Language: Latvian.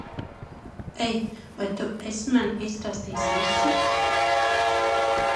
Ei, vai tu esi man izstāstījis visu?